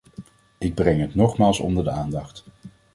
Ik breng het nogmaals onder de aandacht.